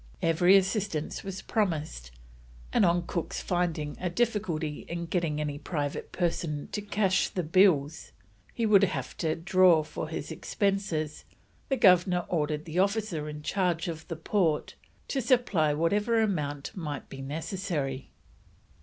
Every assistance was promised, and on Cook's finding a difficulty in getting any private person to cash the bills he would have to draw for his expenses, the Governor ordered the officer in charge of the port to supply whatever amount might be necessary.